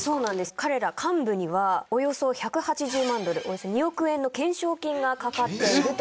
彼ら幹部にはおよそ１８０万ドルおよそ２億円の懸賞金がかかってると。